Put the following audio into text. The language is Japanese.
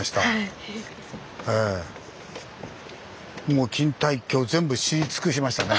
もう錦帯橋全部知り尽くしましたね。